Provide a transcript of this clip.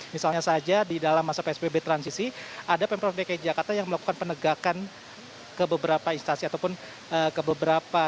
misalnya saja di dalam masa psbb transisi ada pemprov dki jakarta yang melakukan penegakan ke beberapa instasi ataupun ke beberapa